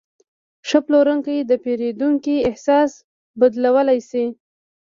ښه پلورونکی د پیرودونکي احساس بدلولی شي.